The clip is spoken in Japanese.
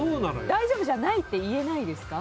大丈夫じゃないって言えないですか？